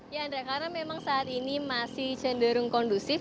ya andra karena memang saat ini masih cenderung kondusif